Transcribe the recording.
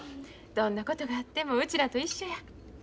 どんなことがあってもうちらと一緒や。